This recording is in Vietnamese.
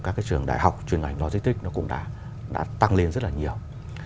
các trường đại học chuyên ngành logistics cũng đã tăng lên rất là nhiều